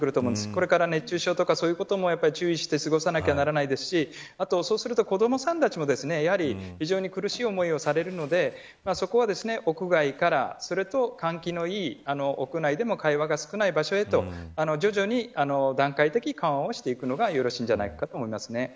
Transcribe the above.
これから熱中症とかそういうことも注意して過ごさなければいけないですしそうすると、子どもさんたちも非常に苦しい思いをされるのでそこは屋外からすると換気のいい屋内でも会話が少ない場所で徐々に段階的緩和をしていくのがよろしいんじゃないかと思います。